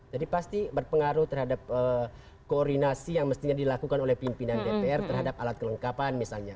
jadi pasti berpengaruh terhadap koordinasi yang mestinya dilakukan oleh pimpinan dpr terhadap alat kelengkapan misalnya